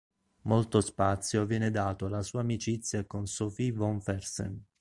Molto spazio viene dato alla sua amicizia con Sophie Von Fersen.